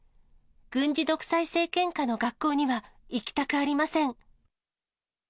軍事独裁政権下の学校には行きたくありません。